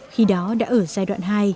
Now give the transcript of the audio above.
khi đó đã ở giai đoạn hai